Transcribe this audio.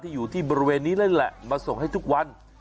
อยู่ที่บริเวณนี้นั่นแหละมาส่งให้ทุกวัน